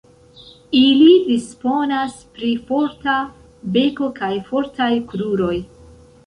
Ili disponas pri forta beko kaj fortaj kruroj.